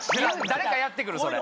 誰かやってくるそれ。